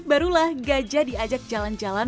barulah gajah diajak jalan jalan